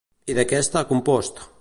I de què està compost?